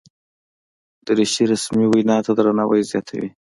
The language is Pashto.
دریشي رسمي وینا ته درناوی زیاتوي.